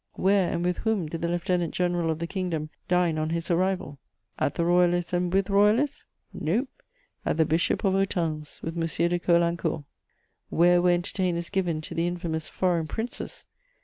Where and with whom did the Lieutenant General of the Kingdom dine on his arrival? At the Royalists' and with Royalists? No: at the Bishop of Autun's, with M. de Caulaincourt. Where were entertainments given to "the infamous foreign princes?"